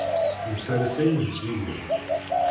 Nferres ayen zeddigen.